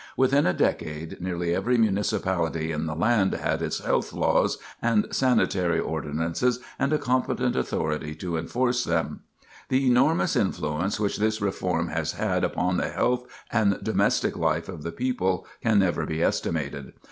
Within a decade nearly every municipality in the land had its health laws and sanitary ordinances and a competent authority to enforce them. The enormous influence which this reform has had upon the health and domestic life of the people can never be estimated.